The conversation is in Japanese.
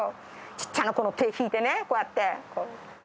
ちっちゃな子の手引いてね、こうやって。